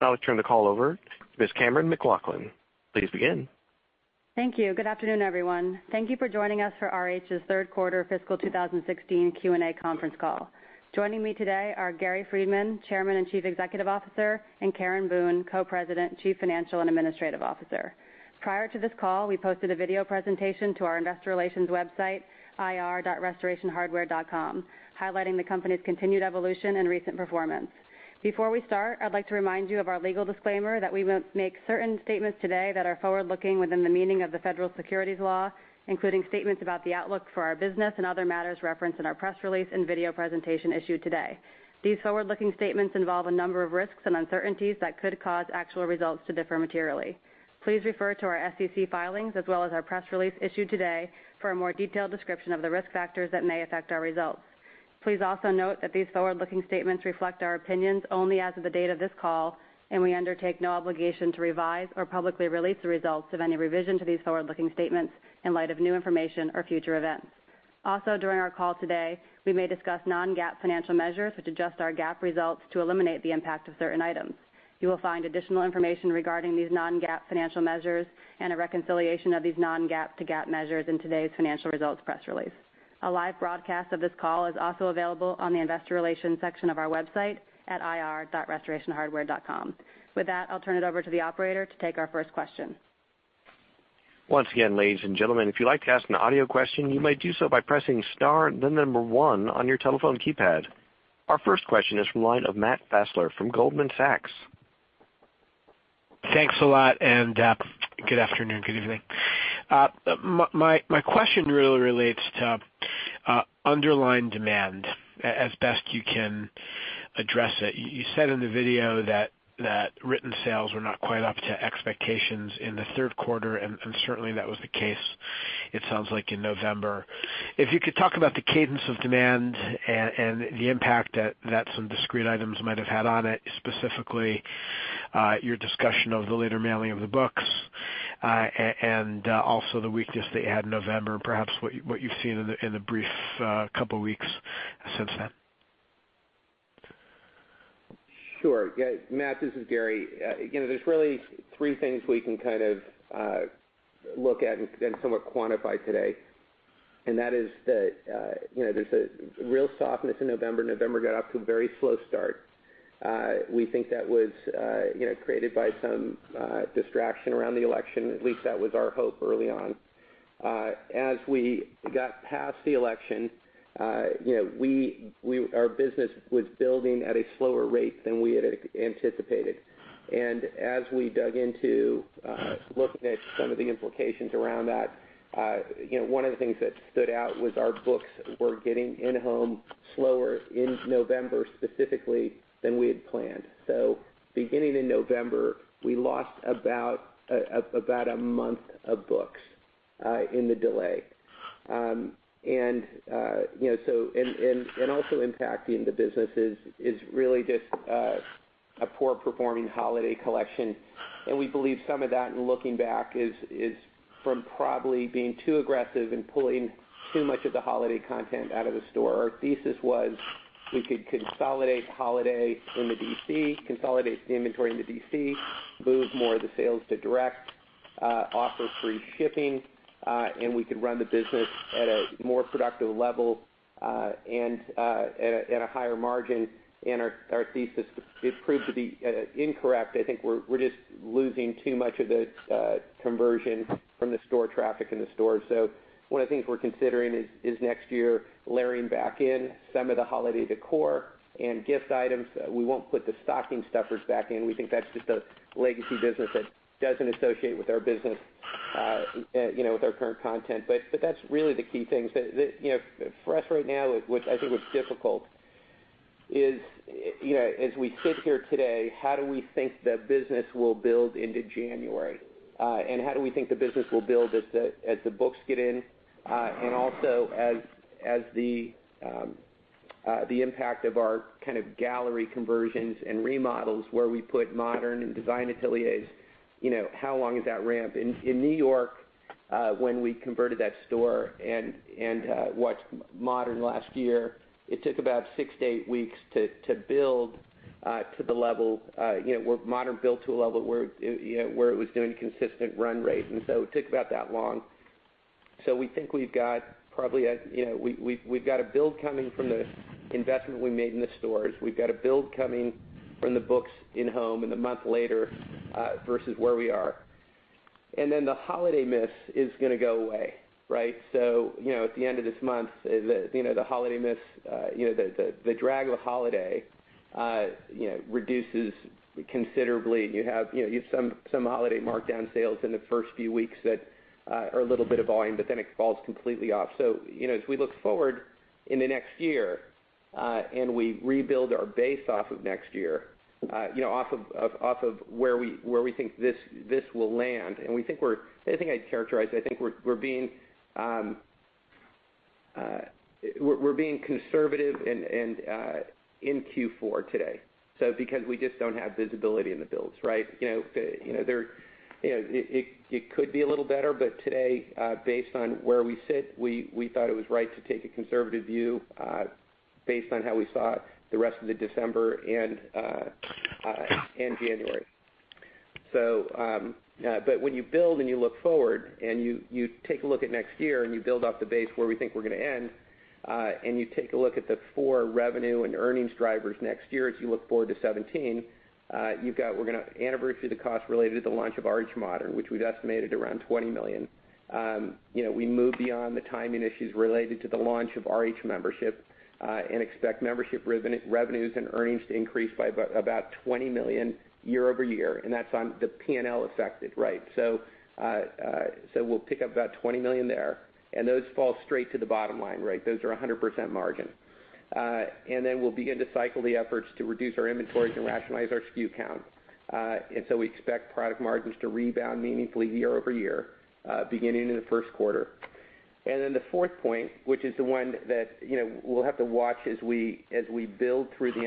I'll now turn the call over to Ms. Cameron McLaughlin. Please begin. Thank you. Good afternoon, everyone. Thank you for joining us for RH's third quarter fiscal 2016 Q&A conference call. Joining me today are Gary Friedman, Chairman and Chief Executive Officer, and Karen Boone, Co-President, Chief Financial and Administrative Officer. Prior to this call, we posted a video presentation to our investor relations website, ir.restorationhardware.com, highlighting the company's continued evolution and recent performance. Before we start, I'd like to remind you of our legal disclaimer that we will make certain statements today that are forward-looking within the meaning of the Federal Securities law, including statements about the outlook for our business and other matters referenced in our press release and video presentation issued today. These forward-looking statements involve a number of risks and uncertainties that could cause actual results to differ materially. Please refer to our SEC filings as well as our press release issued today for a more detailed description of the risk factors that may affect our results. Please also note that these forward-looking statements reflect our opinions only as of the date of this call. We undertake no obligation to revise or publicly release the results of any revision to these forward-looking statements in light of new information or future events. During our call today, we may discuss non-GAAP financial measures, which adjust our GAAP results to eliminate the impact of certain items. You will find additional information regarding these non-GAAP financial measures and a reconciliation of these non-GAAP to GAAP measures in today's financial results press release. A live broadcast of this call is also available on the investor relations section of our website at ir.restorationhardware.com. With that, I'll turn it over to the operator to take our first question. Once again, ladies and gentlemen, if you'd like to ask an audio question, you may do so by pressing star then the number 1 on your telephone keypad. Our first question is from the line of Matt Fassler from Goldman Sachs. Thanks a lot and good afternoon, good evening. My question really relates to underlying demand, as best you can address it. You said in the video that written sales were not quite up to expectations in the third quarter, and certainly that was the case, it sounds like, in November. If you could talk about the cadence of demand and the impact that some discrete items might have had on it, specifically your discussion of the later mailing of the books, and also the weakness that you had in November and perhaps what you've seen in the brief couple of weeks since then. Sure. Matt, this is Gary. There's really three things we can look at and somewhat quantify today. That is that there's a real softness in November. November got off to a very slow start. We think that was created by some distraction around the election. At least that was our hope early on. As we got past the election, our business was building at a slower rate than we had anticipated. As we dug into looking at some of the implications around that, one of the things that stood out was our books were getting in-home slower in November specifically than we had planned. Beginning in November, we lost about a month of books in the delay. Also impacting the business is really just a poor-performing holiday collection. We believe some of that, in looking back, is from probably being too aggressive and pulling too much of the holiday content out of the store. Our thesis was we could consolidate holiday in the DC, consolidate the inventory in the DC, move more of the sales to direct, offer free shipping, and we could run the business at a more productive level and at a higher margin. Our thesis, it proved to be incorrect. I think we're just losing too much of the conversion from the store traffic in the stores. One of the things we're considering is next year, layering back in some of the holiday decor and gift items. We won't put the stocking stuffers back in. We think that's just a legacy business that doesn't associate with our business, with our current content. That's really the key things. For us right now, I think what's difficult is, as we sit here today, how do we think the business will build into January? How do we think the business will build as the books get in? As the impact of our gallery conversions and remodels where we put RH Modern and Design Ateliers, how long is that ramp? In N.Y., when we converted that store and watched RH Modern last year, it took about six to eight weeks to build to the level, RH Modern built to a level where it was doing consistent run rate. It took about that long. We think we've got a build coming from the investment we made in the stores. We've got a build coming from the books in-home and the month later versus where we are. The holiday miss is going to go away. At the end of this month, the holiday miss, the drag of holiday reduces considerably. You have some holiday markdown sales in the first few weeks that are a little bit of volume, it falls completely off. As we look forward in the next year and we rebuild our base off of next year, off of where we think this will land, the only thing I'd characterize, I think we're being conservative in Q4 today because we just don't have visibility in the builds. It could be a little better, but today, based on where we sit, we thought it was right to take a conservative view based on how we saw the rest of December and January. When you build and you look forward, you take a look at next year and you build off the base where we think we're going to end, you take a look at the four revenue and earnings drivers next year, as you look forward to 2017, we're going to anniversary the cost related to the launch of RH Modern, which we'd estimated around $20 million. We moved beyond the timing issues related to the launch of RH Membership, expect membership revenues and earnings to increase by about $20 million year-over-year. That's on the P&L affected. We'll pick up about $20 million there, and those fall straight to the bottom line. Those are 100% margin. We'll begin to cycle the efforts to reduce our inventories and rationalize our SKU count. We expect product margins to rebound meaningfully year-over-year, beginning in the first quarter. The fourth point, which is the one that we'll have to watch as we build through the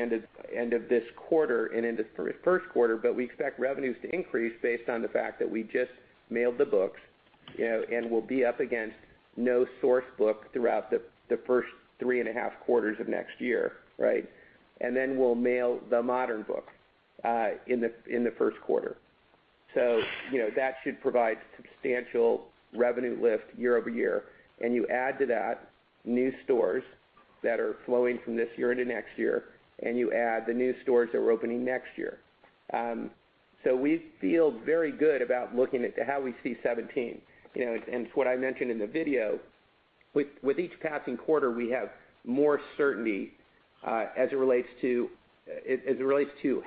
end of this quarter and into first quarter, we expect revenues to increase based on the fact that we just mailed the books, we'll be up against no Source Book throughout the first three and a half quarters of next year. We'll mail the Modern book in the first quarter. That should provide substantial revenue lift year-over-year. You add to that new stores that are flowing from this year into next year, you add the new stores that we're opening next year. We feel very good about looking at how we see 2017. It's what I mentioned in the video. With each passing quarter, we have more certainty, as it relates to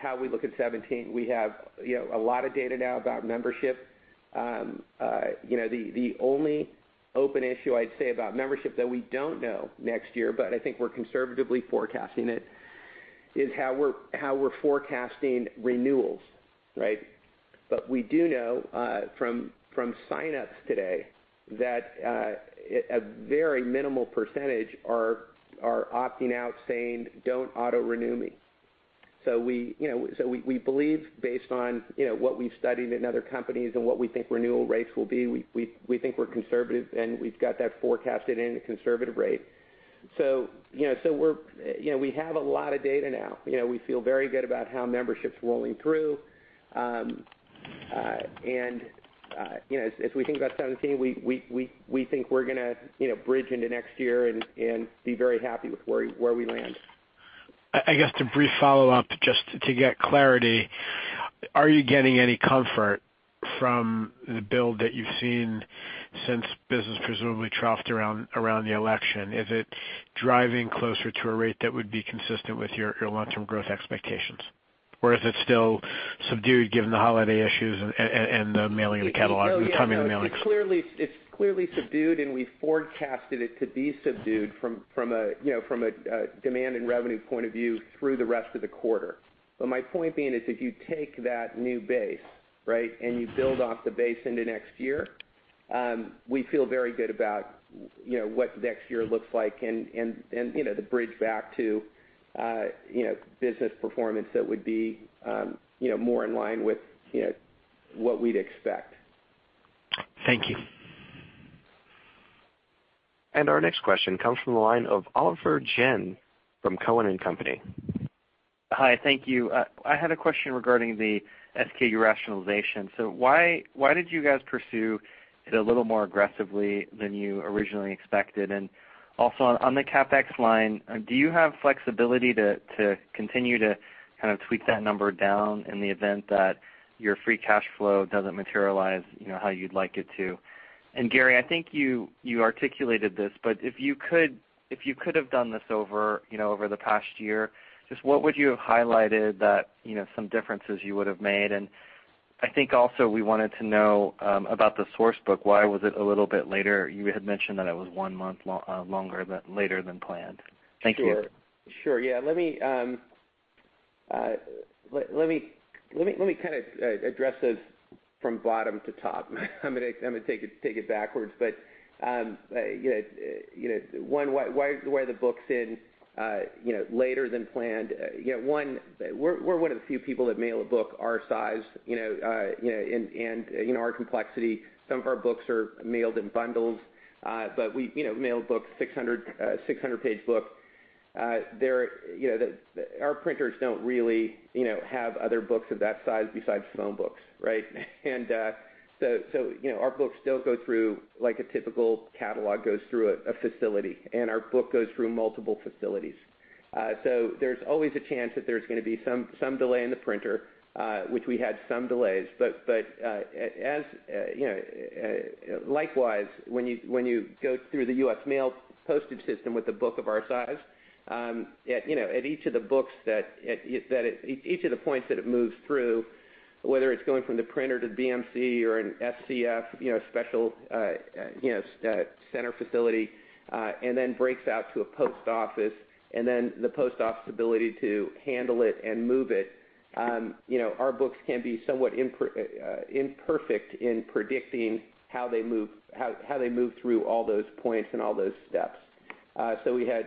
how we look at 2017. We have a lot of data now about membership. The only open issue I'd say about membership that we don't know next year, but I think we're conservatively forecasting it, is how we're forecasting renewals. We do know from sign-ups today that a very minimal percentage are opting out saying, "Don't auto-renew me." We believe based on what we've studied in other companies and what we think renewal rates will be, we think we're conservative, and we've got that forecasted in a conservative rate. We have a lot of data now. We feel very good about how membership's rolling through. As we think about 2017, we think we're going to bridge into next year and be very happy with where we land. I guess a brief follow-up, just to get clarity. Are you getting any comfort from the build that you've seen since business presumably troughed around the election? Is it driving closer to a rate that would be consistent with your long-term growth expectations? Or is it still subdued given the holiday issues and the mailing of the catalog or the timing of the mailing? It's clearly subdued, and we forecasted it to be subdued from a demand and revenue point of view through the rest of the quarter. My point being is if you take that new base and you build off the base into next year, we feel very good about what next year looks like and the bridge back to business performance that would be more in line with what we'd expect. Thank you. Our next question comes from the line of Oliver Chen from Cowen and Company. Hi, thank you. I had a question regarding the SKU rationalization. Why did you guys pursue it a little more aggressively than you originally expected? Also on the CapEx line, do you have flexibility to continue to kind of tweak that number down in the event that your free cash flow doesn't materialize how you'd like it to? Gary, I think you articulated this, but if you could have done this over the past year, just what would you have highlighted that some differences you would've made? I think also we wanted to know about the Source Book, why was it a little bit later? You had mentioned that it was one month later than planned. Thank you. Sure. Yeah, let me kind of address those from bottom to top. I'm going to take it backwards. One, why the book's in later than planned. One, we're one of the few people that mail a book our size and our complexity. Some of our books are mailed in bundles. We mail a book, a 600-page book. Our printers don't really have other books of that size besides phone books. Our books still go through like a typical catalog goes through a facility, and our book goes through multiple facilities. There's always a chance that there's going to be some delay in the printer, which we had some delays. Likewise, when you go through the US Mail postage system with a book of our size, at each of the points that it moves through, whether it's going from the printer to BMC or an SCF, center facility, and then breaks out to a post office, and then the post office ability to handle it and move it, our books can be somewhat imperfect in predicting how they move through all those points and all those steps. We had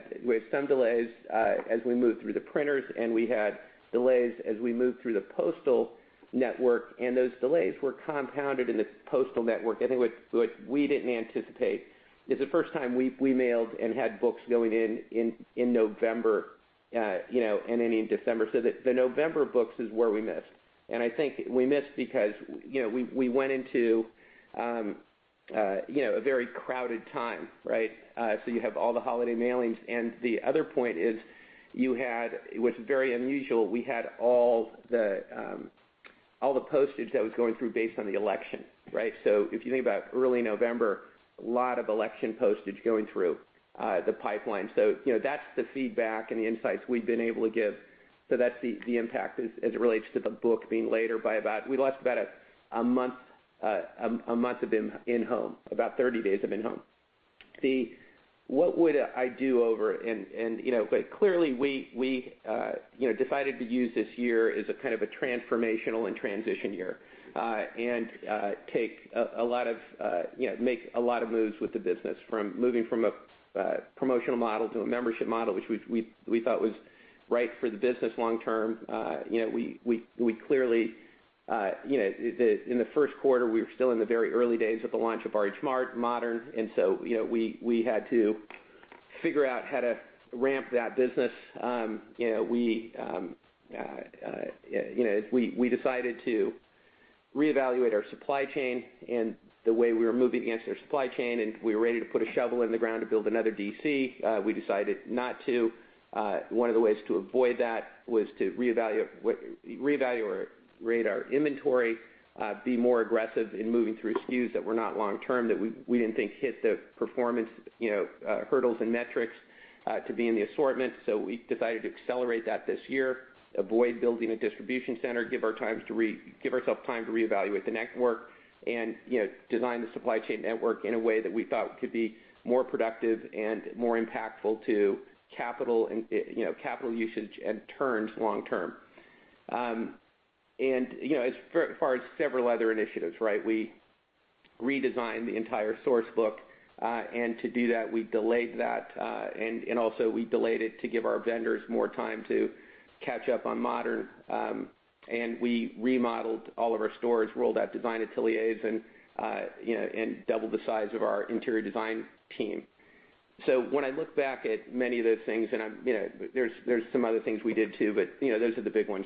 some delays as we moved through the printers, and we had delays as we moved through the postal network, and those delays were compounded in the postal network. I think what we didn't anticipate is the first time we mailed and had books going in in November And ending in December. The November books is where we missed. I think we missed because we went into a very crowded time, right? You have all the holiday mailings. The other point is, it was very unusual, we had all the postage that was going through based on the election, right? If you think about early November, a lot of election postage going through the pipeline. That's the feedback and the insights we've been able to give. That's the impact as it relates to the book being later by about, we lost about a month of in-home, about 30 days of in-home. Clearly, we decided to use this year as a kind of a transformational and transition year, and make a lot of moves with the business, from moving from a promotional model to a membership model, which we thought was right for the business long term. In the first quarter, we were still in the very early days of the launch of RH Modern, we had to figure out how to ramp that business. We decided to reevaluate our supply chain and the way we were moving against our supply chain, and we were ready to put a shovel in the ground to build another DC. We decided not to. One of the ways to avoid that was to reevaluate our inventory, be more aggressive in moving through SKUs that were not long-term, that we didn't think hit the performance hurdles and metrics to be in the assortment. We decided to accelerate that this year, avoid building a distribution center, give ourselves time to reevaluate the network and design the supply chain network in a way that we thought could be more productive and more impactful to capital usage and turns long term. As far as several other initiatives, we redesigned the entire Source Book. To do that, we delayed that. Also we delayed it to give our vendors more time to catch up on Modern. We remodeled all of our stores, rolled out Design Ateliers and doubled the size of our interior design team. When I look back at many of those things, there's some other things we did too, but those are the big ones.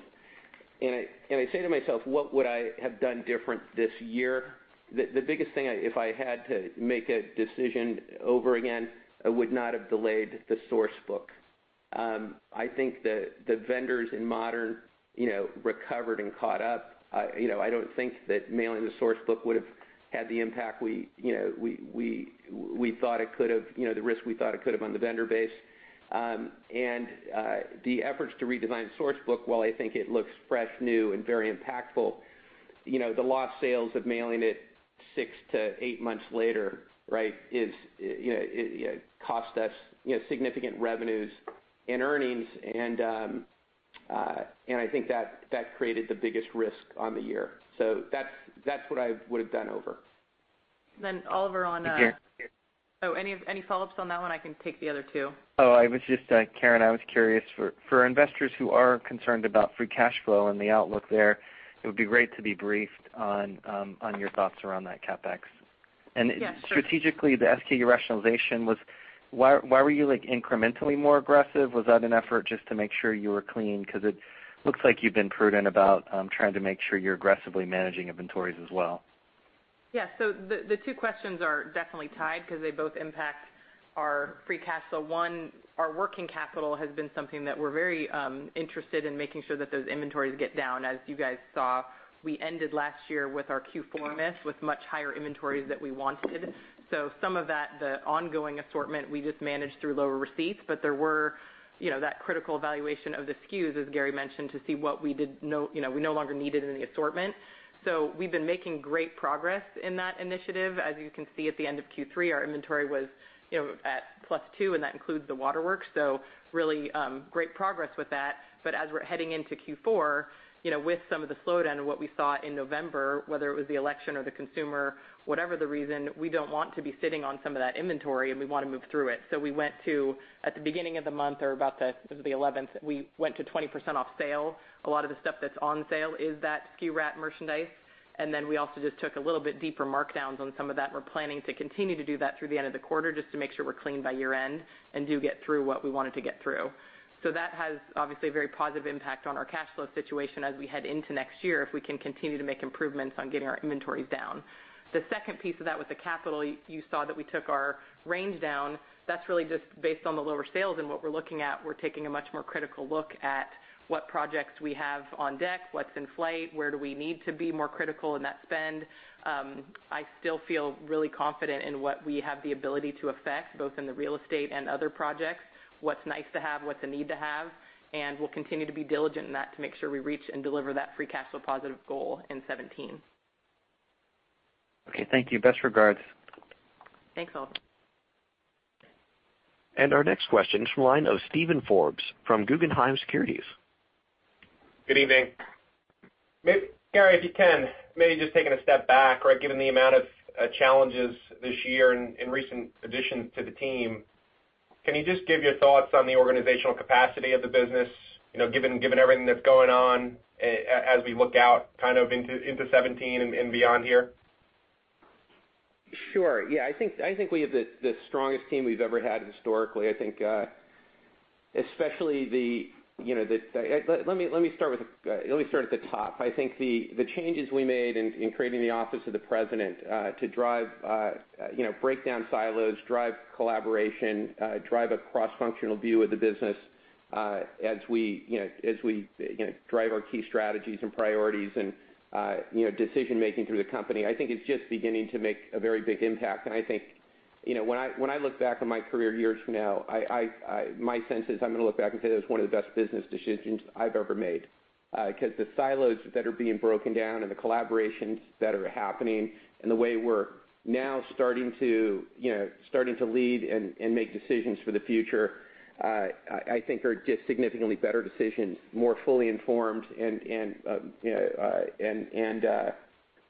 I say to myself, "What would I have done different this year?" The biggest thing, if I had to make a decision over again, I would not have delayed the Source Book. I think that the vendors in Modern recovered and caught up. I don't think that mailing the Source Book would've had the impact, the risk we thought it could've on the vendor base. The efforts to redesign the Source Book, while I think it looks fresh, new, and very impactful, the lost sales of mailing it 6 to 8 months later cost us significant revenues in earnings. I think that created the biggest risk on the year. That's what I would've done over. Oliver. Hey, Karen. Any follow-ups on that one? I can take the other two. Karen, I was curious, for investors who are concerned about free cash flow and the outlook there, it would be great to be briefed on your thoughts around that CapEx. Yeah, sure. Strategically, the SKU rationalization was, why were you incrementally more aggressive? Was that an effort just to make sure you were clean? Because it looks like you've been prudent about trying to make sure you're aggressively managing inventories as well. Yeah. The two questions are definitely tied because they both impact our free cash. So one, our working capital has been something that we're very interested in making sure that those inventories get down. As you guys saw, we ended last year with our Q4 miss with much higher inventories than we wanted. So some of that, the ongoing assortment, we just managed through lower receipts, but there were that critical evaluation of the SKUs, as Gary mentioned, to see what we no longer needed in the assortment. So we've been making great progress in that initiative. As you can see, at the end of Q3, our inventory was at plus two, and that includes the Waterworks, so really great progress with that. As we're heading into Q4, with some of the slowdown and what we saw in November, whether it was the election or the consumer, whatever the reason, we don't want to be sitting on some of that inventory, and we want to move through it. So we went to, at the beginning of the month or about the 11th, we went to 20% off sale. A lot of the stuff that's on sale is that SKU rat merchandise. And then we also just took a little bit deeper markdowns on some of that, and we're planning to continue to do that through the end of the quarter just to make sure we're clean by year-end and do get through what we wanted to get through. That has obviously a very positive impact on our cash flow situation as we head into next year if we can continue to make improvements on getting our inventories down. The second piece of that with the capital, you saw that we took our range down. That's really just based on the lower sales and what we're looking at. We're taking a much more critical look at what projects we have on deck, what's in flight, where do we need to be more critical in that spend. I still feel really confident in what we have the ability to affect, both in the real estate and other projects, what's nice to have, what's a need to have, and we'll continue to be diligent in that to make sure we reach and deliver that free cash flow positive goal in 2017. Okay, thank you. Best regards. Thanks, Oliver. Our next question is from the line of Steven Forbes from Guggenheim Securities. Good evening. Gary, if you can, maybe just taking a step back, given the amount of challenges this year and recent additions to the team, can you just give your thoughts on the organizational capacity of the business, given everything that's going on as we look out into 2017 and beyond here? Sure. Yeah, I think we have the strongest team we've ever had historically. Let me start at the top. I think the changes we made in creating the Office of the President to break down silos, drive collaboration, drive a cross-functional view of the business as we drive our key strategies and priorities and decision-making through the company, I think it's just beginning to make a very big impact. I think, when I look back on my career years from now, my sense is I'm going to look back and say, "That was one of the best business decisions I've ever made." The silos that are being broken down and the collaborations that are happening and the way we're now starting to lead and make decisions for the future, I think are just significantly better decisions, more fully informed, and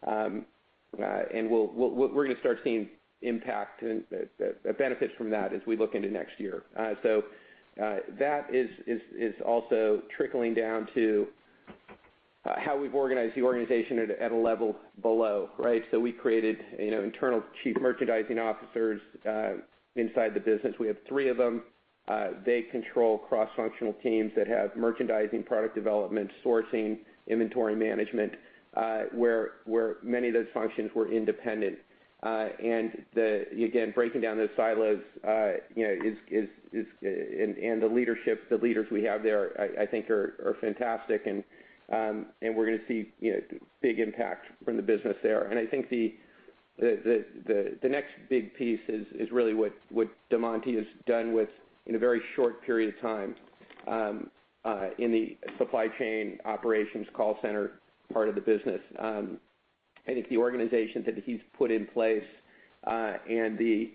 we're going to start seeing impact and benefits from that as we look into next year. That is also trickling down to how we've organized the organization at a level below, right? We created internal chief merchandising officers inside the business. We have three of them. They control cross-functional teams that have merchandising, product development, sourcing, inventory management, where many of those functions were independent. Again, breaking down those silos, and the leaders we have there, I think are fantastic and we're going to see big impact from the business there. I think the next big piece is really what DeMonty has done in a very short period of time in the supply chain operations call center part of the business. I think the organizations that he's put in place, and the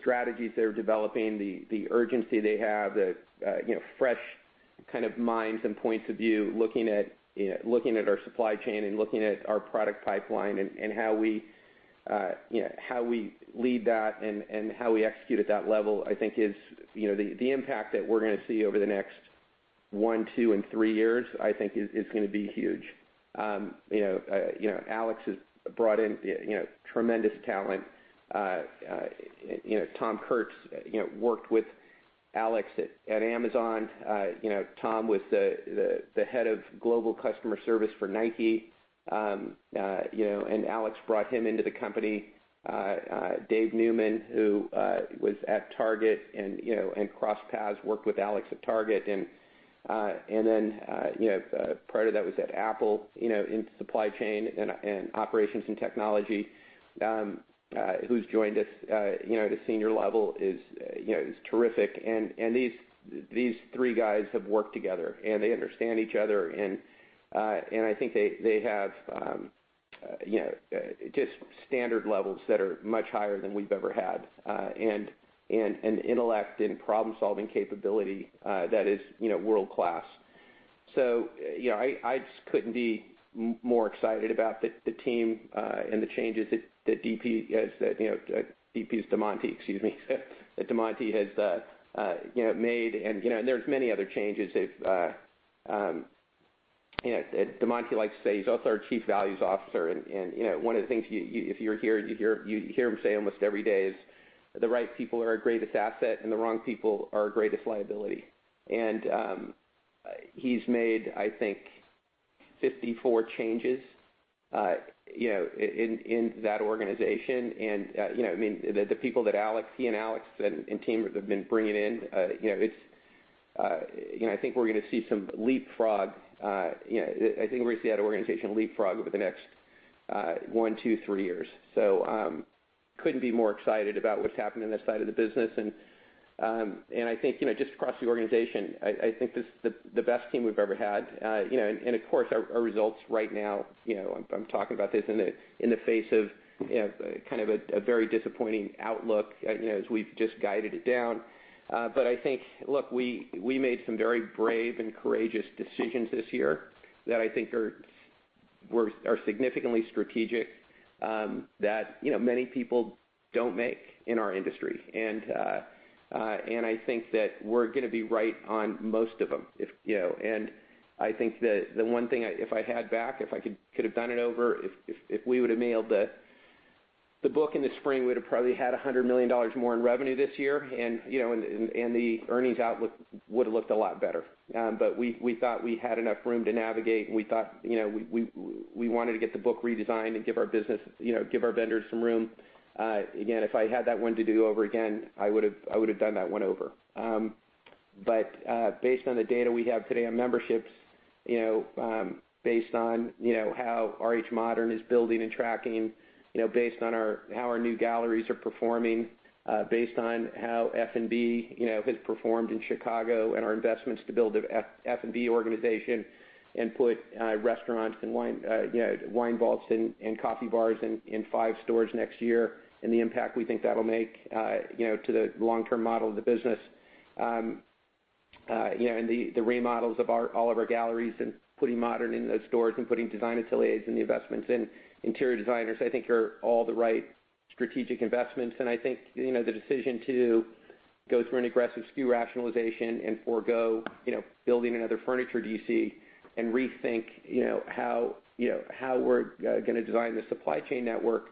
strategies they're developing, the urgency they have, the fresh kind of minds and points of view looking at our supply chain and looking at our product pipeline and how we lead that and how we execute at that level, I think the impact that we're going to see over the next one, two, and three years, I think is going to be huge. Alex has brought in tremendous talent. Tom Kurtz worked with Alex at Amazon. Tom was the head of global customer service for Nike, and Alex brought him into the company. Dave Neumann, who was at Target and crossed paths, worked with Alex at Target and then, prior to that was at Apple in supply chain and operations and technology, who's joined us at a senior level is terrific. These three guys have worked together, and they understand each other, and I think they have just standard levels that are much higher than we've ever had, and intellect and problem-solving capability that is world-class. I just couldn't be more excited about the team and the changes that DP's Damonte, excuse me that Damonte has made. There's many other changes. Damonte likes to say he's also our chief values officer, and one of the things, if you're here, you hear him say almost every day is the right people are our greatest asset, and the wrong people are our greatest liability. He's made, I think, 54 changes in that organization. The people he and Alex and team have been bringing in, I think we're going to see RH organization leapfrog over the next one, two, three years. Couldn't be more excited about what's happened in that side of the business. I think just across the organization, I think this is the best team we've ever had. Of course, our results right now, I'm talking about this in the face of kind of a very disappointing outlook as we've just guided it down. I think, look, we made some very brave and courageous decisions this year that I think are significantly strategic that many people don't make in our industry. I think that we're going to be right on most of them. I think that the one thing, if I had back, if I could have done it over, if we would've mailed the book in the spring, we'd have probably had $100 million more in revenue this year, and the earnings outlook would've looked a lot better. We thought we had enough room to navigate, and we thought we wanted to get the book redesigned and give our vendors some room. Again, if I had that one to do over again, I would've done that one over. Based on the data we have today on memberships, based on how RH Modern is building and tracking, based on how our new galleries are performing, based on how F&B has performed in Chicago and our investments to build an F&B organization and put restaurants and wine vaults and coffee bars in five stores next year, the impact we think that'll make to the long-term model of the business. The remodels of all of our galleries and putting Modern in those stores and putting Design Ateliers and the investments in interior designers, I think are all the right strategic investments. I think the decision to go through an aggressive SKU rationalization and forego building another furniture DC and rethink how we are going to design the supply chain network,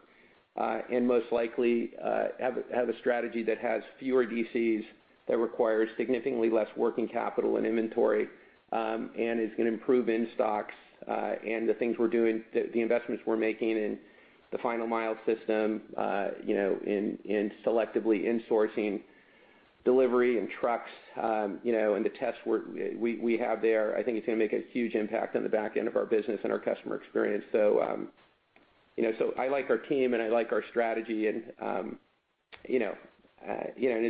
and most likely have a strategy that has fewer DCs that requires significantly less working capital and inventory, and is going to improve in stocks and the things we are doing, the investments we are making in the final mile system, in selectively insourcing delivery and trucks, and the tests we have there, I think it is going to make a huge impact on the back end of our business and our customer experience. I like our team and I like our strategy and as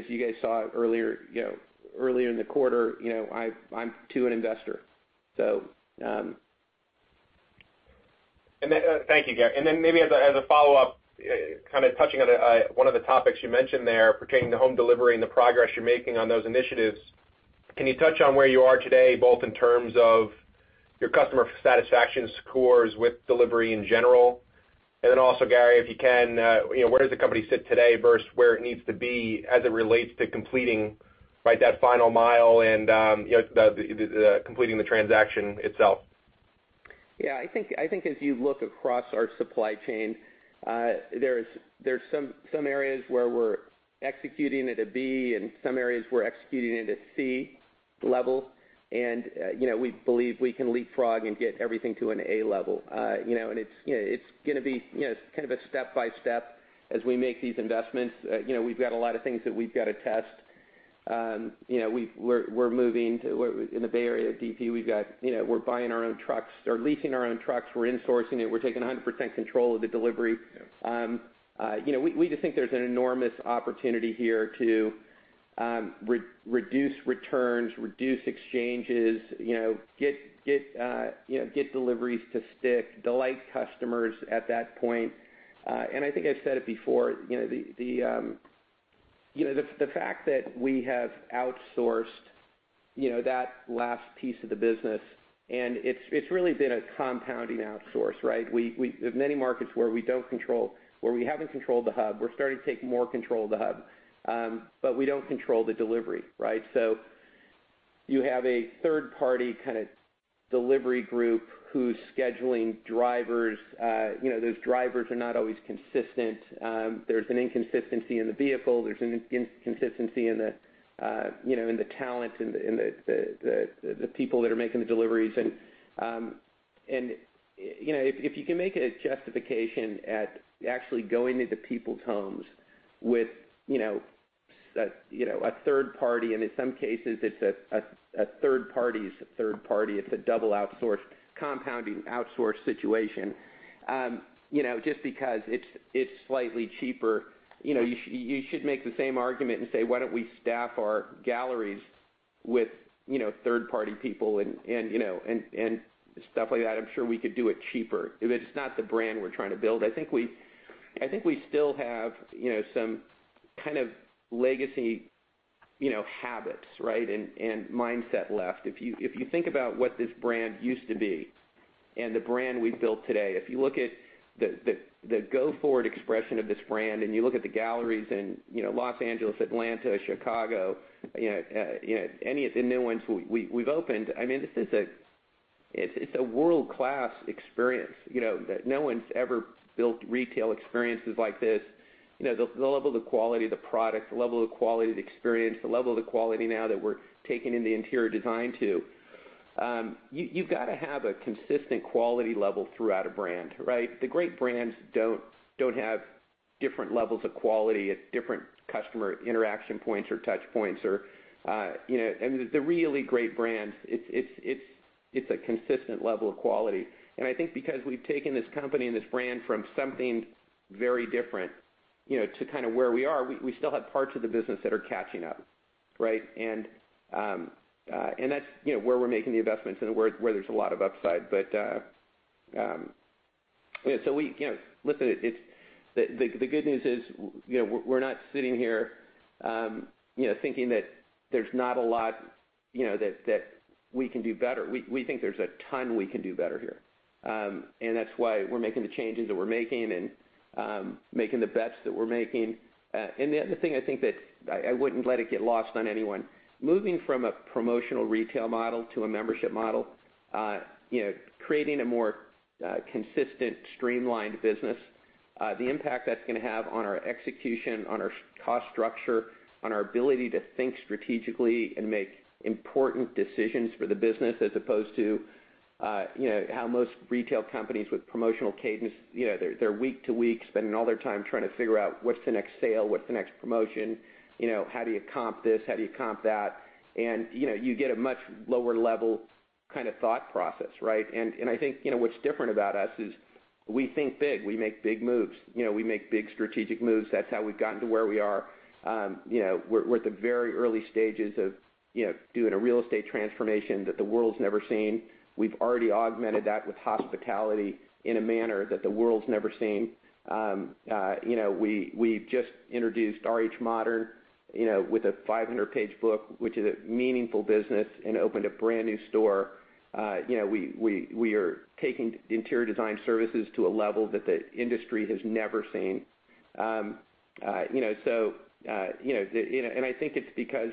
you guys saw earlier in the quarter, I am too an investor. Thank you, Gary. Maybe as a follow-up, touching on one of the topics you mentioned there pertaining to home delivery and the progress you are making on those initiatives, can you touch on where you are today, both in terms of your customer satisfaction scores with delivery in general? Also, Gary, if you can, where does the company sit today versus where it needs to be as it relates to completing that final mile and completing the transaction itself? Yeah. I think as you look across our supply chain, there are some areas where we are executing at a B and some areas we are executing at a C level, and we believe we can leapfrog and get everything to an A level. It is going to be kind of a step-by-step as we make these investments. We have got a lot of things that we have got to test. We are moving in the Bay Area DP. We are buying our own trucks or leasing our own trucks. We are insourcing it. We are taking 100% control of the delivery. Yeah. We just think there's an enormous opportunity here to reduce returns, reduce exchanges, get deliveries to stick, delight customers at that point. I think I've said it before, the fact that we have outsourced that last piece of the business, and it's really been a compounding outsource, right? There's many markets where we haven't controlled the hub. We're starting to take more control of the hub. We don't control the delivery, right? You have a third-party delivery group who's scheduling drivers. Those drivers are not always consistent. There's an inconsistency in the vehicle. There's an inconsistency in the talent, in the people that are making the deliveries. If you can make a justification at actually going into people's homes with a third party, and in some cases, a third party's a third party, it's a double outsource, compounding outsource situation. Just because it's slightly cheaper, you should make the same argument and say, "Why don't we staff our galleries with third-party people and stuff like that?" I'm sure we could do it cheaper. That's not the brand we're trying to build. I think we still have some kind of legacy habits and mindset left. If you think about what this brand used to be and the brand we've built today, if you look at the go-forward expression of this brand, and you look at the galleries in Los Angeles, Atlanta, Chicago, any of the new ones we've opened, it's a world-class experience. No one's ever built retail experiences like this. The level of quality of the product, the level of quality of the experience, the level of the quality now that we're taking in the interior design, too. You've got to have a consistent quality level throughout a brand, right? The great brands don't have different levels of quality at different customer interaction points or touch points. The really great brands, it's a consistent level of quality. I think because we've taken this company and this brand from something very different to where we are, we still have parts of the business that are catching up, right? That's where we're making the investments and where there's a lot of upside. The good news is we're not sitting here thinking that there's not a lot that we can do better. We think there's a ton we can do better here. That's why we're making the changes that we're making and making the bets that we're making. The other thing I think that I wouldn't let it get lost on anyone, moving from a promotional retail model to a membership model, creating a more consistent, streamlined business, the impact that's going to have on our execution, on our cost structure, on our ability to think strategically and make important decisions for the business as opposed to how most retail companies with promotional cadence, they're week-to-week spending all their time trying to figure out what's the next sale, what's the next promotion, how do you comp this, how do you comp that? You get a much lower level thought process, right? I think what's different about us is we think big. We make big moves. We make big strategic moves. That's how we've gotten to where we are. We're at the very early stages of doing a real estate transformation that the world's never seen. We've already augmented that with hospitality in a manner that the world's never seen. We've just introduced RH Modern with a 500-page book, which is a meaningful business, and opened a brand new store. We are taking interior design services to a level that the industry has never seen. I think it's because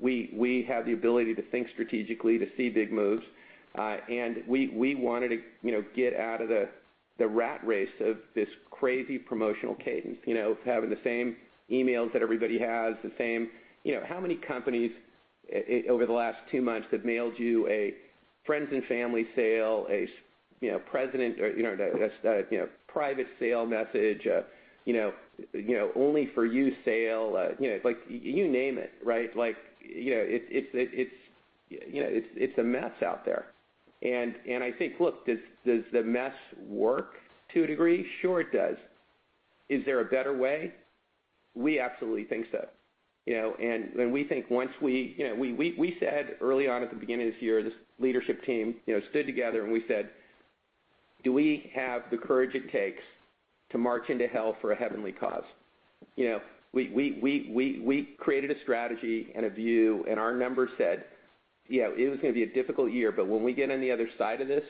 we have the ability to think strategically to see big moves. We wanted to get out of the rat race of this crazy promotional cadence, having the same emails that everybody has. How many companies over the last two months have mailed you a friends and family sale, a private sale message, only for you sale? You name it, right? It's a mess out there. I think, look, does the mess work to a degree? Sure it does. Is there a better way? We absolutely think so. We said early on at the beginning of this year, this leadership team stood together and we said, "Do we have the courage it takes to march into hell for a heavenly cause?" We created a strategy and a view, and our members said, "Yeah, it was going to be a difficult year, but when we get on the other side of this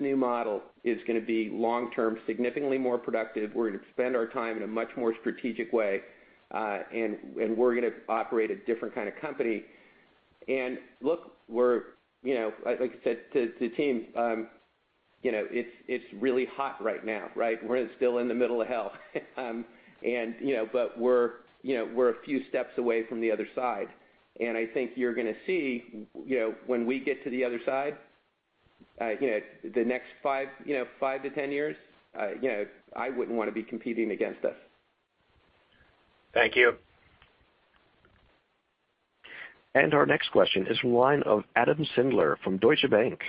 new model is going to be long-term, significantly more productive. We're going to spend our time in a much more strategic way. We're going to operate a different kind of company." Look, like I said to the team, it's really hot right now, right? We're still in the middle of hell. We're a few steps away from the other side. I think you're going to see, when we get to the other side, the next five to 10 years, I wouldn't want to be competing against us. Thank you. Our next question is from the line of Adam Sindler from Deutsche Bank.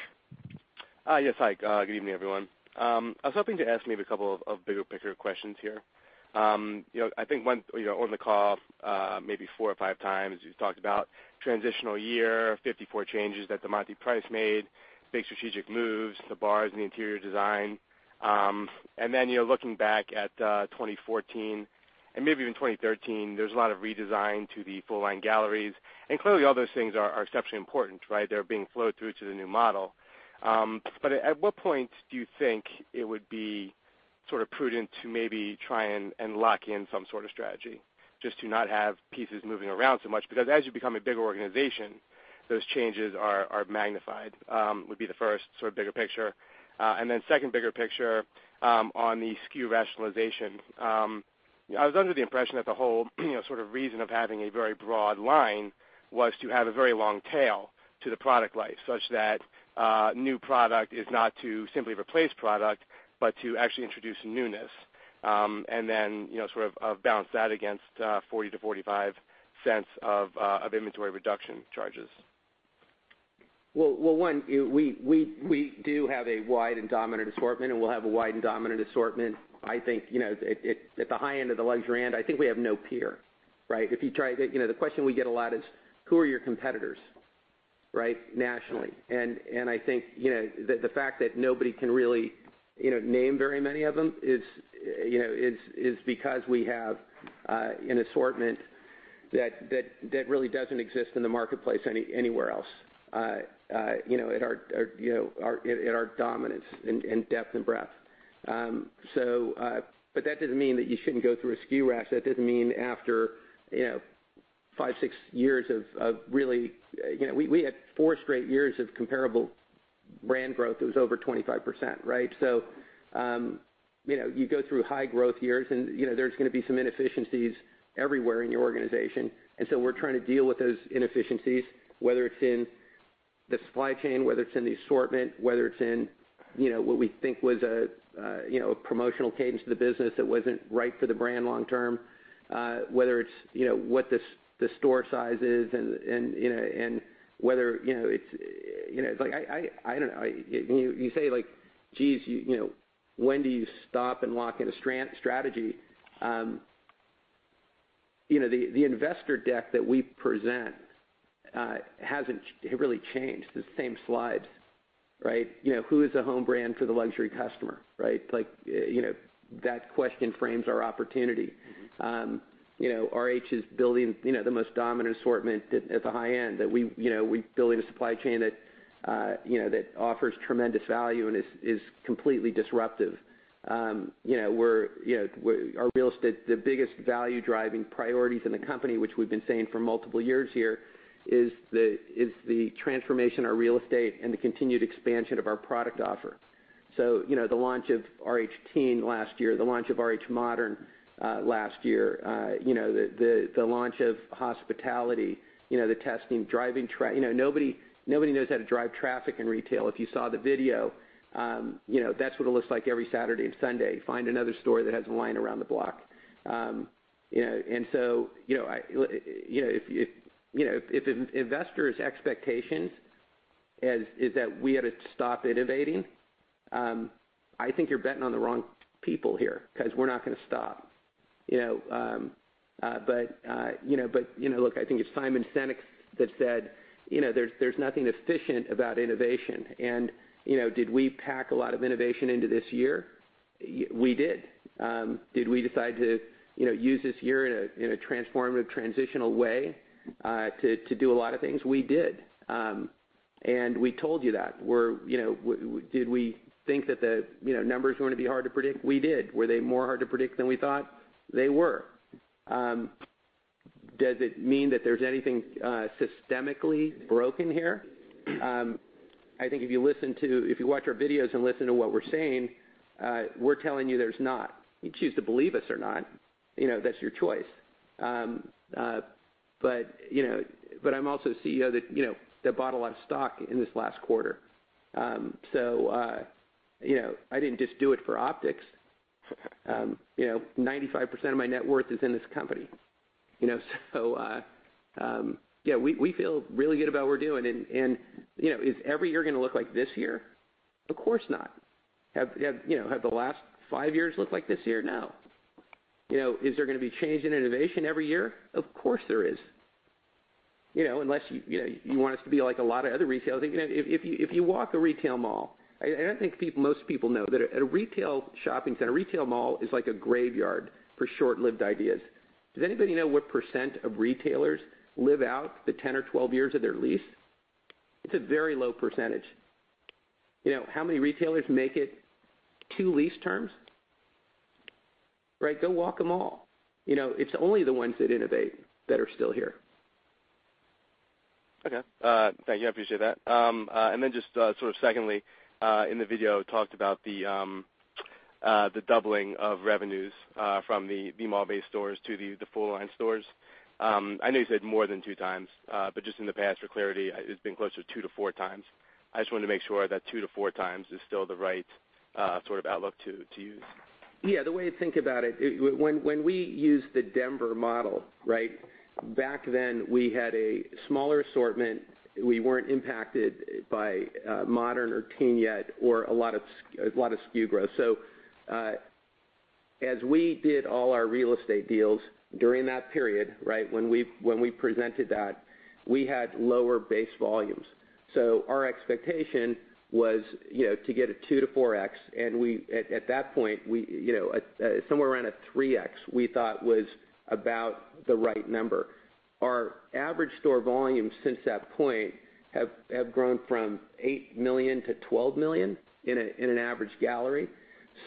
Yes. Hi, good evening, everyone. I was hoping to ask maybe a couple of bigger picture questions here. I think on the call, maybe four or five times, you've talked about transitional year, 54 changes that DeMonty Price made, big strategic moves, the bars and the interior design. You're looking back at 2014 and maybe even 2013, there's a lot of redesign to the full line galleries. Clearly all those things are exceptionally important, right? They're being flowed through to the new model. At what point do you think it would be sort of prudent to maybe try and lock in some sort of strategy just to not have pieces moving around so much? Because as you become a bigger organization, those changes are magnified. Would be the first sort of bigger picture. Second bigger picture, on the SKU rationalization. I was under the impression that the whole sort of reason of having a very broad line was to have a very long tail to the product life, such that a new product is not to simply replace product, but to actually introduce newness. Sort of balance that against $0.40-$0.45 of inventory reduction charges. Well, one, we do have a wide and dominant assortment, and we'll have a wide and dominant assortment. At the high end of the luxury end, I think we have no peer, right? The question we get a lot is, "Who are your competitors, right, nationally?" I think the fact that nobody can really name very many of them is because we have an assortment that really doesn't exist in the marketplace anywhere else in our dominance in depth and breadth. That doesn't mean that you shouldn't go through a SKU rash. That doesn't mean after five, six years We had four straight years of comparable brand growth that was over 25%, right? You go through high growth years, and there's going to be some inefficiencies everywhere in your organization. We're trying to deal with those inefficiencies, whether it's in the supply chain, whether it's in the assortment, whether it's in what we think was a promotional cadence to the business that wasn't right for the brand long term, whether it's what the store size is and whether it's I don't know. You say, like, "Geez, when do you stop and lock in a strategy?" The investor deck that we present hasn't really changed. It's the same slides, right? Who is a home brand for the luxury customer, right? That question frames our opportunity. RH is building the most dominant assortment at the high end. We're building a supply chain that offers tremendous value and is completely disruptive. Our real estate, the biggest value-driving priorities in the company, which we've been saying for multiple years here, is the transformation of real estate and the continued expansion of our product offer. The launch of RH Teen last year, the launch of RH Modern last year, the launch of RH Hospitality. Nobody knows how to drive traffic in retail. If you saw the video, that's what it looks like every Saturday and Sunday. Find another store that has a line around the block. If investors' expectation is that we had to stop innovating, I think you're betting on the wrong people here because we're not going to stop. Look, I think it's Simon Sinek that said, "There's nothing efficient about innovation." Did we pack a lot of innovation into this year? We did. Did we decide to use this year in a transformative, transitional way to do a lot of things? We did. We told you that. Did we think that the numbers were going to be hard to predict? We did. Were they more hard to predict than we thought? They were. Does it mean that there's anything systemically broken here? I think if you watch our videos and listen to what we're saying, we're telling you there's not. You can choose to believe us or not, that's your choice. I'm also CEO that bought a lot of stock in this last quarter. I didn't just do it for optics. 95% of my net worth is in this company. Yeah, we feel really good about what we're doing. Is every year going to look like this year? Of course not. Have the last five years looked like this year? No. Is there going to be change and innovation every year? Of course, there is. Unless you want us to be like a lot of other retail If you walk a retail mall, I don't think most people know that at a retail shopping center, retail mall is like a graveyard for short-lived ideas. Does anybody know what percent of retailers live out the 10 or 12 years of their lease? It's a very low percentage. How many retailers make it two lease terms? Right. Go walk a mall. It's only the ones that innovate that are still here. Okay. Thank you, I appreciate that. Just sort of secondly, in the video, talked about the doubling of revenues from the mall-based stores to the full-line stores. I know you said more than 2 times, just in the past, for clarity, it's been closer to 2 to 4 times. I just wanted to make sure that 2 to 4 times is still the right sort of outlook to use. The way to think about it, when we used the Denver model, back then we had a smaller assortment. We weren't impacted by RH Modern or RH Teen yet, or a lot of SKU growth. As we did all our real estate deals during that period when we presented that, we had lower base volumes. Our expectation was to get a 2 to 4x, and at that point, somewhere around a 3x we thought was about the right number. Our average store volumes since that point have grown from $8 million to $12 million in an average gallery.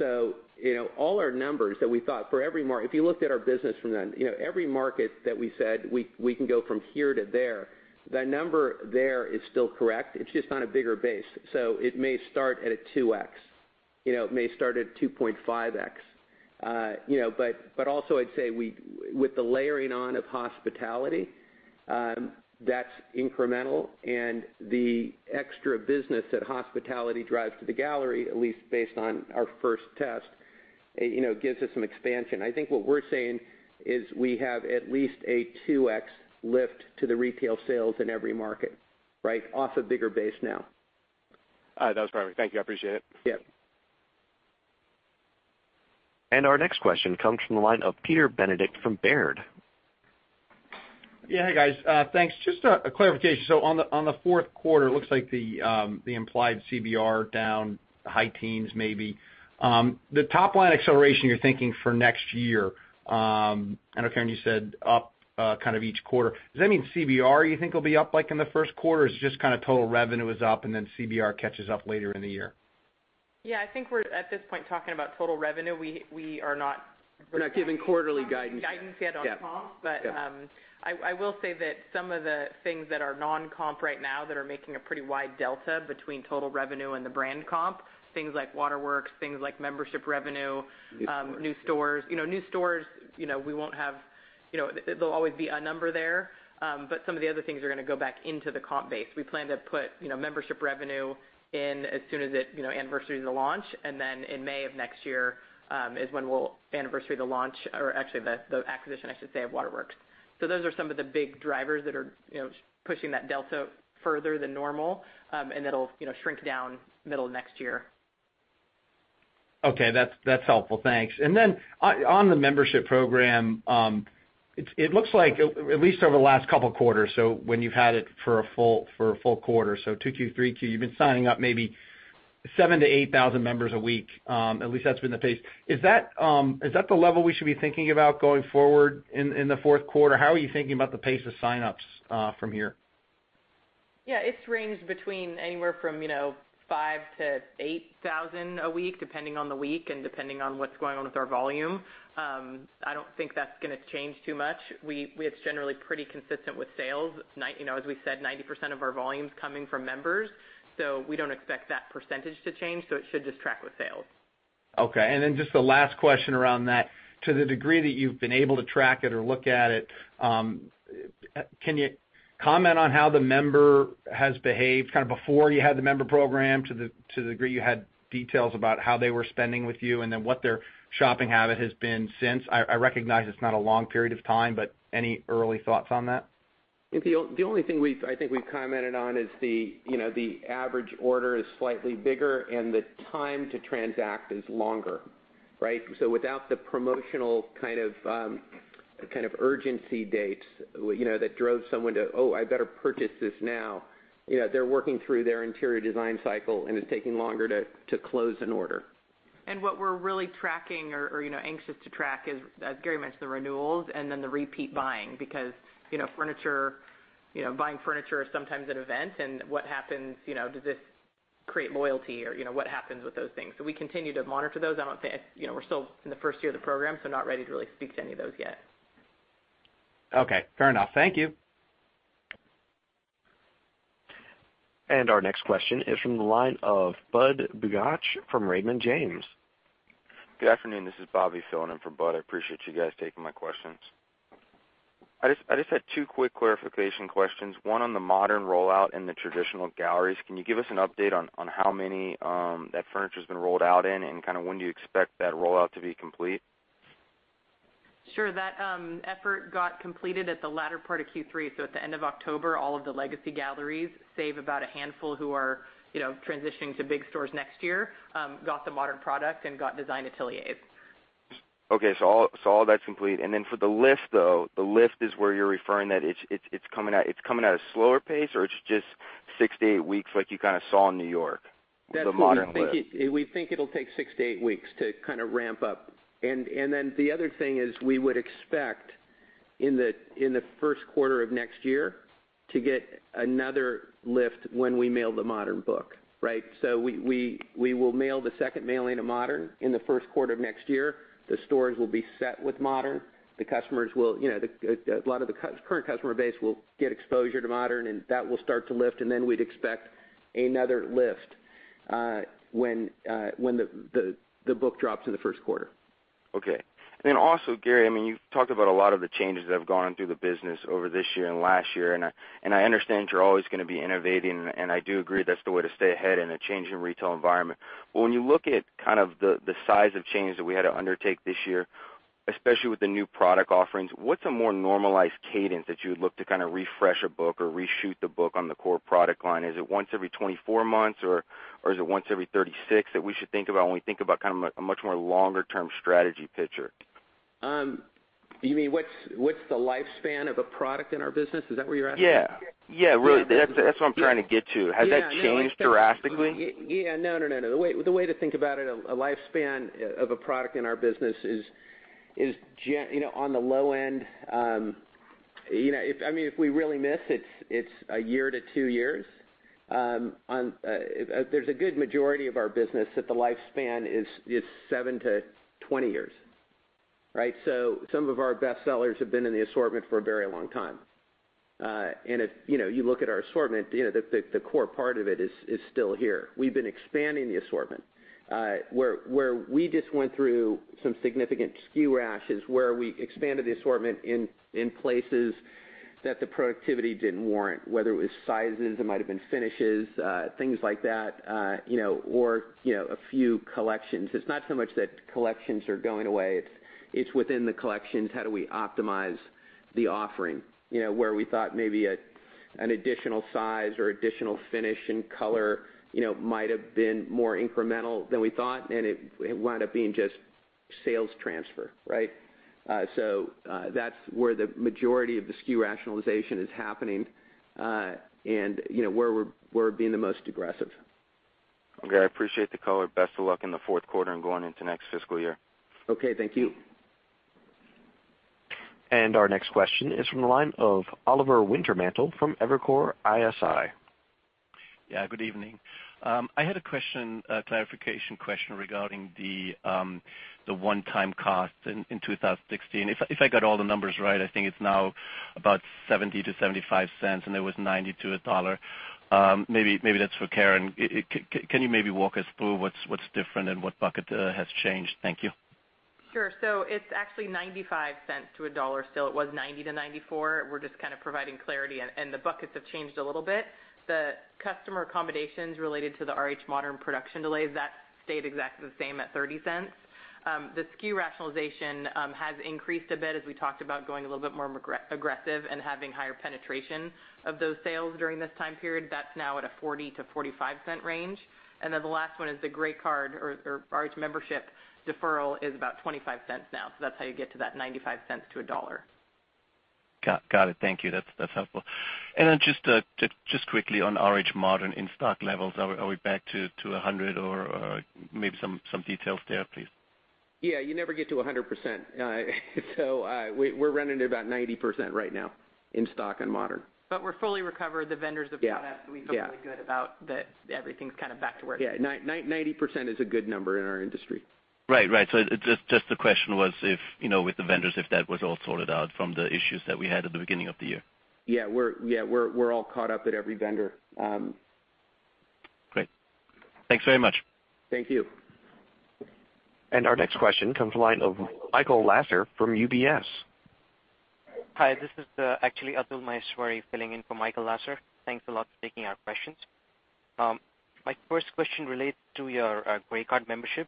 All our numbers that we thought for every market, if you looked at our business from then, every market that we said we can go from here to there, the number there is still correct. It's just on a bigger base. It may start at a 2x, it may start at 2.5x. Also, I'd say with the layering on of RH Hospitality, that's incremental, and the extra business that RH Hospitality drives to the gallery, at least based on our first test, gives us some expansion. I think what we're saying is we have at least a 2x lift to the retail sales in every market off a bigger base now. All right, that was perfect. Thank you, I appreciate it. Yep. Our next question comes from the line of Peter Benedict from Baird. Yeah. Hey, guys. Thanks. Just a clarification. On the fourth quarter, it looks like the implied CBR down high teens, maybe. The top-line acceleration you're thinking for next year, I know, Karen, you said up kind of each quarter. Does that mean CBR you think will be up, like, in the first quarter, or is it just kind of total revenue is up and then CBR catches up later in the year? Yeah, I think we're at this point talking about total revenue. We are not- We're not giving quarterly guidance guidance yet on comps. Yeah. I will say that some of the things that are non-comp right now that are making a pretty wide delta between total revenue and the brand comp, things like Waterworks, things like membership revenue. New stores New stores. New stores, there'll always be a number there. Some of the other things are going to go back into the comp base. We plan to put membership revenue in as soon as it anniversaries the launch. In May of next year is when we'll anniversary the launch, or actually the acquisition, I should say, of Waterworks. Those are some of the big drivers that are pushing that delta further than normal. That'll shrink down middle of next year. Okay, that's helpful. Thanks. On the membership program, it looks like at least over the last couple of quarters, so when you've had it for a full quarter, so 2Q, 3Q, you've been signing up maybe 7,000 to 8,000 members a week. At least that's been the pace. Is that the level we should be thinking about going forward in the fourth quarter? How are you thinking about the pace of sign-ups from here? Yeah, it's ranged between anywhere from 5,000 to 8,000 a week, depending on the week and depending on what's going on with our volume. I don't think that's going to change too much. It's generally pretty consistent with sales. As we said, 90% of our volume's coming from members, we don't expect that percentage to change. It should just track with sales. Okay. Just the last question around that, to the degree that you've been able to track it or look at it, can you comment on how the member has behaved kind of before you had the member program to the degree you had details about how they were spending with you and then what their shopping habit has been since? I recognize it's not a long period of time, but any early thoughts on that? The only thing I think we've commented on is the average order is slightly bigger and the time to transact is longer. Without the promotional kind of urgency dates that drove someone to, "Oh, I better purchase this now," they're working through their interior design cycle, and it's taking longer to close an order. What we're really tracking or anxious to track is, as Gary mentioned, the renewals and then the repeat buying because buying furniture is sometimes an event and what happens, does this create loyalty or what happens with those things? We continue to monitor those. We're still in the first year of the program, so not ready to really speak to any of those yet. Okay, fair enough. Thank you. Our next question is from the line od Good afternoon. This is Bobby filling in for Budd. I appreciate you guys taking my questions. I just had two quick clarification questions. One on the RH Modern rollout and the traditional galleries. Can you give us an update on how many that furniture's been rolled out in, and when do you expect that rollout to be complete? Sure. That effort got completed at the latter part of Q3. At the end of October, all of the legacy galleries, save about a handful who are transitioning to big stores next year, got the modern product and got Design Ateliers. Okay. All that's complete. For the lift, though, the lift is where you're referring that it's coming at a slower pace, or it's just six to eight weeks like you kind of saw in New York with the modern lift? That's what we think. We think it'll take six to eight weeks to kind of ramp up. The other thing is we would expect in the first quarter of next year to get another lift when we mail the modern book. Right? We will mail the second mailing of modern in the first quarter of next year. The stores will be set with modern. A lot of the current customer base will get exposure to modern, and that will start to lift. We'd expect another lift when the book drops in the first quarter. Okay. Also, Gary, you've talked about a lot of the changes that have gone through the business over this year and last year, and I understand you're always going to be innovating, and I do agree that's the way to stay ahead in a changing retail environment. When you look at kind of the size of change that we had to undertake this year, especially with the new product offerings, what's a more normalized cadence that you would look to kind of refresh a book or reshoot the book on the core product line? Is it once every 24 months or is it once every 36 that we should think about when we think about kind of a much more longer-term strategy picture? You mean what's the lifespan of a product in our business? Is that what you're asking? Yeah. That's what I'm trying to get to. Has that changed drastically? Yeah. No, the way to think about it, a lifespan of a product in our business is on the low end, if we really miss, it's one year to two years. There's a good majority of our business that the lifespan is 7-20 years. Right? Some of our best sellers have been in the assortment for a very long time. If you look at our assortment, the core part of it is still here. We've been expanding the assortment. Where we just went through some significant SKU rationalizations where we expanded the assortment in places that the productivity didn't warrant, whether it was sizes, it might've been finishes, things like that, or a few collections. It's not so much that collections are going away. It's within the collections, how do we optimize the offering. Where we thought maybe an additional size or additional finish and color might have been more incremental than we thought, and it wound up being just sales transfer, right? That's where the majority of the SKU rationalization is happening, and where we're being the most aggressive. Okay. I appreciate the color. Best of luck in the fourth quarter and going into next fiscal year. Okay. Thank you. Our next question is from the line of Oliver Wintermantel from Evercore ISI. Yeah, good evening. I had a clarification question regarding the one-time cost in 2016. If I got all the numbers right, I think it's now about $0.70-$0.75, and it was $0.90-$1.00. Maybe that's for Karen. Can you maybe walk us through what's different and what bucket has changed? Thank you. Sure. It's actually $0.95 to $1.00 still. It was $0.90-$0.94. We're just kind of providing clarity, the buckets have changed a little bit. The customer accommodations related to the RH Modern production delays, that stayed exactly the same at $0.30. The SKU rationalization has increased a bit as we talked about going a little bit more aggressive and having higher penetration of those sales during this time period. That's now at a $0.40-$0.45 range. The last one is the Grey Card or RH Membership deferral is about $0.25 now. That's how you get to that $0.95 to $1.00. Got it. Thank you. That's helpful. Just quickly on RH Modern in-stock levels, are we back to 100% or maybe some details there, please? Yeah. You never get to 100%. We're running at about 90% right now in stock on Modern. We're fully recovered. The vendors have caught up. Yeah. We feel really good about that everything's kind of back to where it was. Yeah. 90% is a good number in our industry. Right. Just the question was if with the vendors if that was all sorted out from the issues that we had at the beginning of the year. Yeah, we're all caught up at every vendor. Great. Thanks very much. Thank you. Our next question comes from the line of Michael Lasser from UBS. Hi, this is actually Atul Maheshwari filling in for Michael Lasser. Thanks a lot for taking our questions. My first question relates to your Grey Card membership.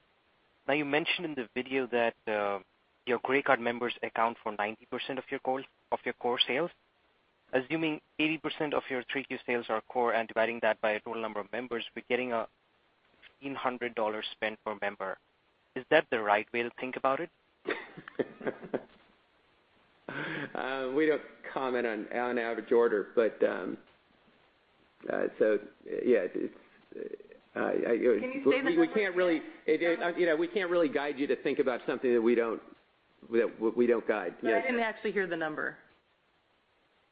You mentioned in the video that your Grey Card members account for 90% of your core sales. Assuming 80% of your 3Q sales are core and dividing that by a total number of members, we're getting a $1,500 spend per member. Is that the right way to think about it? We don't comment on average order. Yeah. Can you say the number again? We can't really guide you to think about something that we don't guide. Yeah. I didn't actually hear the number.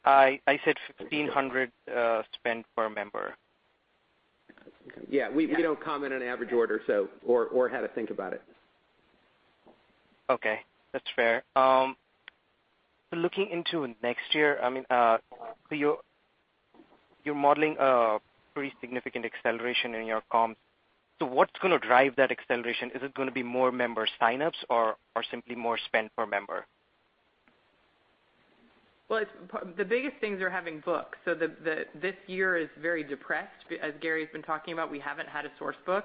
I said $1,500 spend per member. Yeah. We don't comment on average order, or how to think about it. Okay. That's fair. Looking into next year, you're modeling a pretty significant acceleration in your comps. What's going to drive that acceleration? Is it going to be more member sign-ups or simply more spend per member? Well, the biggest things are having books. This year is very depressed. As Gary's been talking about, we haven't had a Source Book,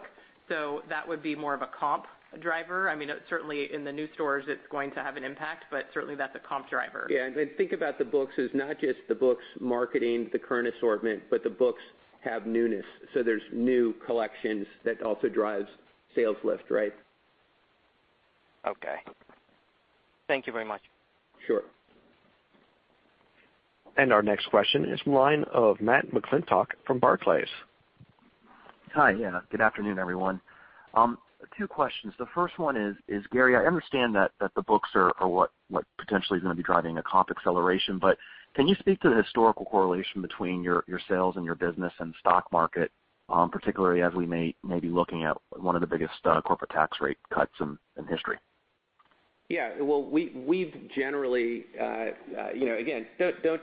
that would be more of a comp driver. Certainly in the new stores it's going to have an impact, but certainly that's a comp driver. Yeah. Think about the books as not just the books marketing the current assortment, but the books have newness, there's new collections that also drives sales lift, right? Okay. Thank you very much. Sure. Our next question is line of Matt McClintock from Barclays. Hi. Yeah. Good afternoon, everyone. Two questions. The first one is, Gary, I understand that the books are what potentially is going to be driving a comp acceleration, can you speak to the historical correlation between your sales and your business and the stock market, particularly as we may be looking at one of the biggest corporate tax rate cuts in history? Yeah. Don't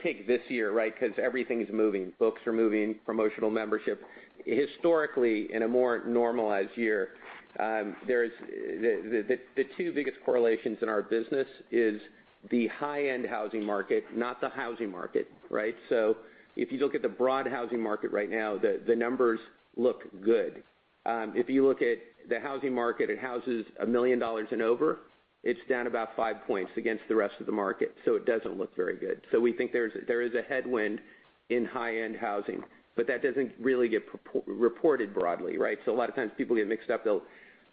take this year, right? Everything is moving. Books are moving, promotional membership. Historically, in a more normalized year, the two biggest correlations in our business is the high-end housing market, not the housing market. Right? If you look at the broad housing market right now, the numbers look good. If you look at the housing market at houses $1 million and over, it's down about 5 points against the rest of the market, it doesn't look very good. We think there is a headwind in high-end housing. That doesn't really get reported broadly, right? A lot of times people get mixed up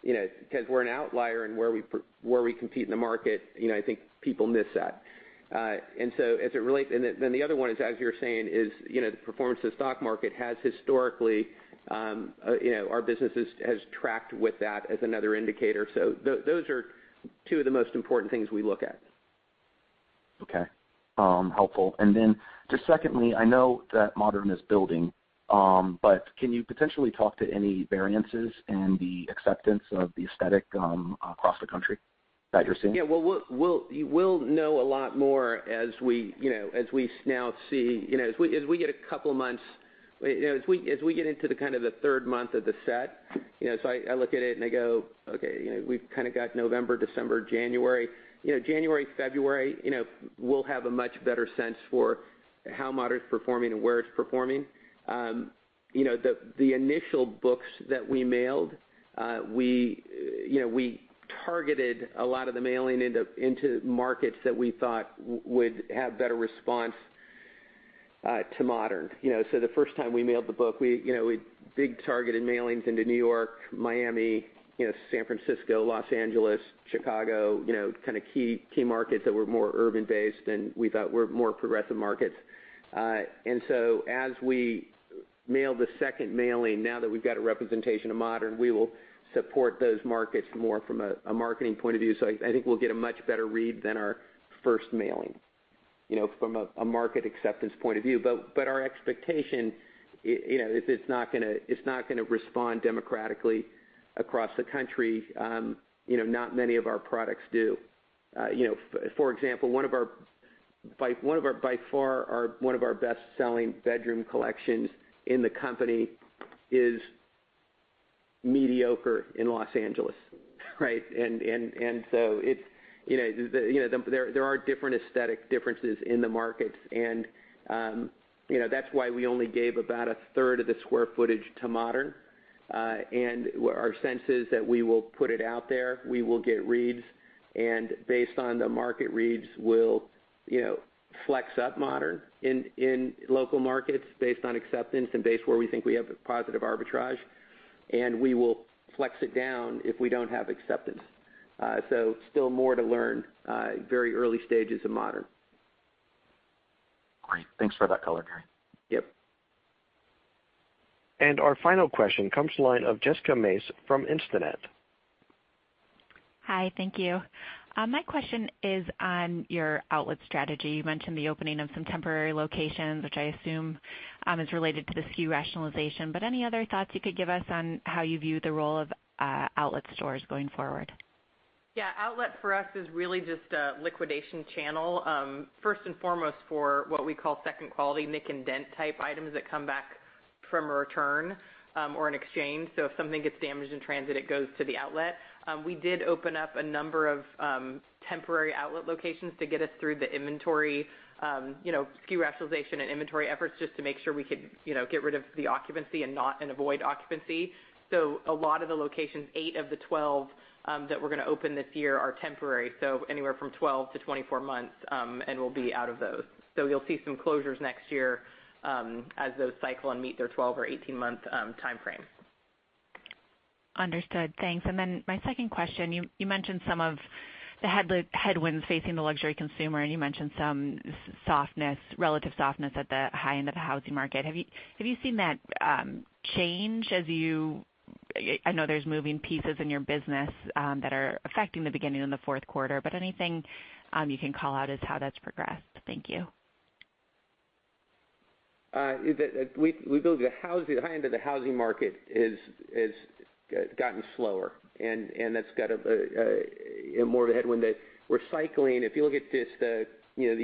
because we're an outlier in where we compete in the market, I think people miss that. The other one is, as you're saying, is the performance of the stock market has historically, our business has tracked with that as another indicator. Those are two of the most important things we look at. Okay. Helpful. Just secondly, I know that modern is building, can you potentially talk to any variances in the acceptance of the aesthetic across the country that you're seeing? Yeah. We'll know a lot more as we get a couple of months, as we get into the kind of the third month of the set. I look at it and I go, "Okay, we've kind of got November, December, January." January, February, we'll have a much better sense for how modern's performing and where it's performing. The initial books that we mailed, we targeted a lot of the mailing into markets that we thought would have better response to modern. The first time we mailed the book, we did targeted mailings into N.Y., Miami, San Francisco, L.A., Chicago, kind of key markets that were more urban-based and we thought were more progressive markets. As we mail the second mailing, now that we've got a representation of modern, we will support those markets more from a marketing point of view. I think we'll get a much better read than our first mailing, from a market acceptance point of view. Our expectation, it's not going to respond democratically across the country. Not many of our products do. For example, one of our, by far, one of our best-selling bedroom collections in the company is mediocre in Los Angeles. Right. There are different aesthetic differences in the markets, and that's why we only gave about a third of the square footage to Modern. Our sense is that we will put it out there, we will get reads, and based on the market reads, we'll flex up Modern in local markets based on acceptance and based where we think we have a positive arbitrage, and we will flex it down if we don't have acceptance. Still more to learn. Very early stages of Modern. Great. Thanks for that color, Gary. Yep. Our final question comes to line of Jessica Mace from Instinet. Hi. Thank you. My question is on your outlet strategy. You mentioned the opening of some temporary locations, which I assume is related to the SKU rationalization, any other thoughts you could give us on how you view the role of outlet stores going forward? Yeah. Outlet for us is really just a liquidation channel. First and foremost for what we call second-quality nick and dent type items that come back from a return or an exchange. If something gets damaged in transit, it goes to the outlet. We did open up a number of temporary outlet locations to get us through the inventory, SKU rationalization and inventory efforts, just to make sure we could get rid of the occupancy and avoid occupancy. A lot of the locations, 8 of the 12 that we're going to open this year are temporary, anywhere from 12 to 24 months, and we'll be out of those. You'll see some closures next year as those cycle and meet their 12 or 18-month timeframe. Understood. Thanks. My second question, you mentioned some of the headwinds facing the luxury consumer, and you mentioned some relative softness at the high end of the housing market. Have you seen that change as you-- I know there's moving pieces in your business that are affecting the beginning of the fourth quarter, but anything you can call out as how that's progressed? Thank you. The high end of the housing market has gotten slower, and that's got more of a headwind that we're cycling. If you look at the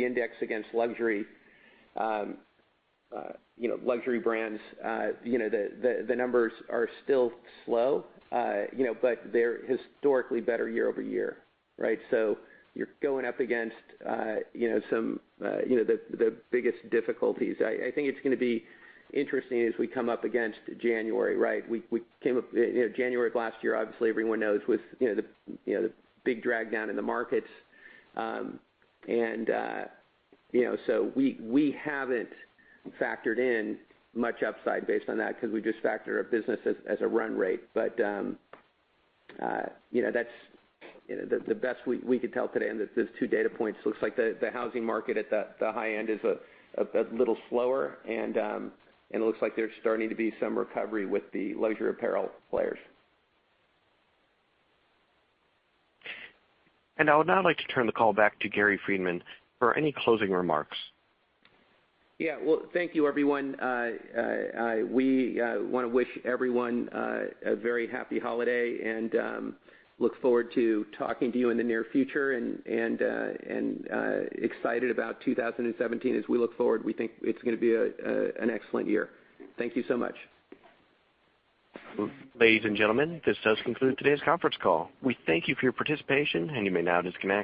index against luxury brands, the numbers are still slow, but they're historically better year-over-year, right? You're going up against the biggest difficulties. I think it's going to be interesting as we come up against January, right? January of last year, obviously, everyone knows was the big drag down in the markets. We haven't factored in much upside based on that because we just factor our business as a run rate. That's the best we could tell today on those two data points. Looks like the housing market at the high end is a little slower, and it looks like there's starting to be some recovery with the luxury apparel players. I would now like to turn the call back to Gary Friedman for any closing remarks. Yeah. Well, thank you, everyone. We want to wish everyone a very happy holiday and look forward to talking to you in the near future, and excited about 2017. As we look forward, we think it's going to be an excellent year. Thank you so much. Ladies and gentlemen, this does conclude today's conference call. We thank you for your participation, and you may now disconnect.